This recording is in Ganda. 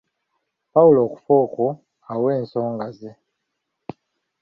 Pawulo okufa okwo , awe ensonga ze